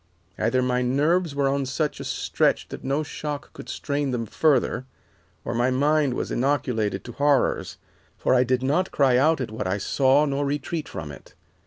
Either my nerves were on such a stretch that no shock could strain them further, or my mind was inoculated to horrors, for I did not cry out at what I saw nor retreat from it.